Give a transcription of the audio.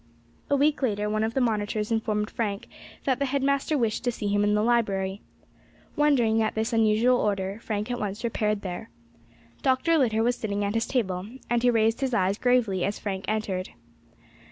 A week later one of the monitors informed Frank that the head master wished to see him in the library. Wondering at this unusual order, Frank at once repaired there. Dr. Litter was sitting at his table, and he raised his eyes gravely as Frank entered.